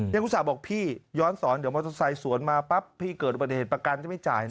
ยังอุตสาหกบอกพี่ย้อนสอนเดียวมอเตอร์ไซว์สวนมาปั๊บพี่เกิดประเทศประกันจะไม่จ่ายนะ